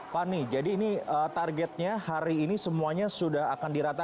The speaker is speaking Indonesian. fani jadi ini targetnya hari ini semuanya sudah akan diratakan